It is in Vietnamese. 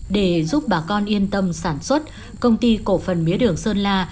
để giúp bà con yên tâm sản xuất công ty cổ phần mía đường sơn la